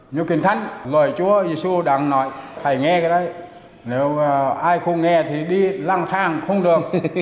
như kinh thánh lời chúa giê xu đang nói phải nghe cái đấy nếu ai không nghe thì đi lang thang không được